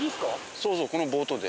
そうそうこのボートで。